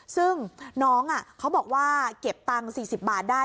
ซึ่งน้องเขาบอกว่าเก็บตังค์๔๐บาทได้